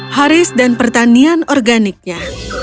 haris dan pertanian organiknya